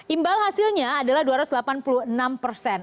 imbal hasilnya adalah dua ratus delapan puluh enam persen